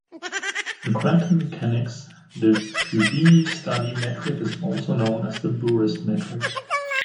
In quantum mechanics, the Fubini-Study metric is also known as the Bures metric.